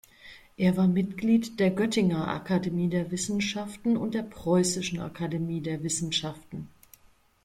Er war Mitglied der Göttinger Akademie der Wissenschaften und der Preußischen Akademie der Wissenschaften.